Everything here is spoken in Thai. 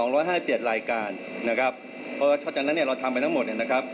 ๒๕๗รายการเพราะว่าช่วงจากนั้นเราทำไปทั้งหมด